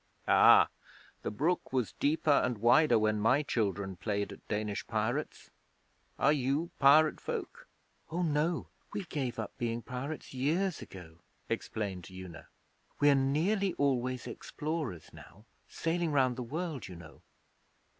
'Ah, the brook was deeper and wider when my children played at Danish pirates. Are you pirate folk?' 'Oh no. We gave up being pirates years ago,' explained Una. 'We're nearly always explorers now. Sailing round the world, you know.'